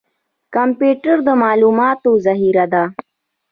کمپیوټر د معلوماتو ذخیره ده